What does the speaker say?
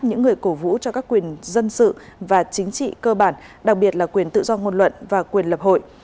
những người cổ vũ cho các quyền dân sự và chính trị cơ bản đặc biệt là quyền tự do ngôn luận và quyền lập hội